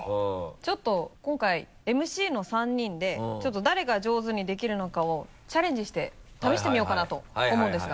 ちょっと今回ＭＣの３人でちょっと誰が上手にできるのかをチャレンジして試してみようかなと思うんですが。